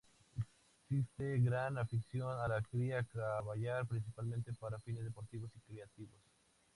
Existe gran afición a la cría caballar, principalmente para fines deportivos y recreativos.